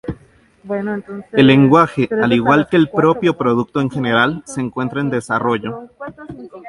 El lenguaje, al igual que el propio producto en general, se encuentra en desarrollo.